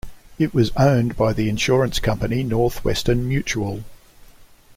It was owned by the insurance company Northwestern Mutual.